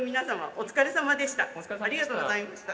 お疲れさまでした。